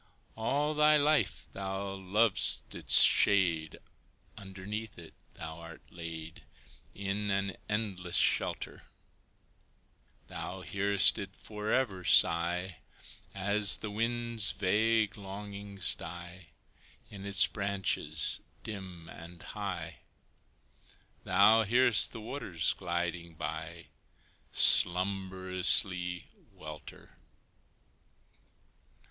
All thy life thou lov'dst its shade: Underneath it thou art laid, In an endless shelter; Thou hearest it forever sigh As the wind's vague longings die In its branches dim and high Thou hear'st the waters gliding by Slumberously welter.